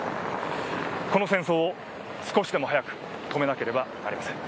この戦争を少しでも早く止めなければなりません。